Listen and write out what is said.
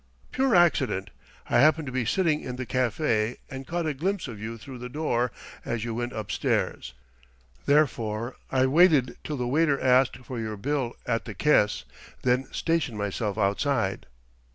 "Pure accident: I happened to be sitting in the café, and caught a glimpse of you through the door as you went upstairs. Therefore I waited till the waiter asked for your bill at the caisse, then stationed myself outside."